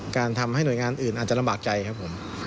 ทำให้หน่วยงานอื่นอาจจะลำบากใจครับผม